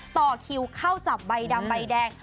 ต่อคิวเข้าจับใบดำใบแดง